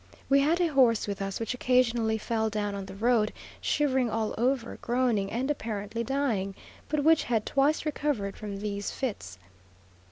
We had a horse with us which occasionally fell down on the road, shivering all over, groaning, and apparently dying; but which had twice recovered from these fits.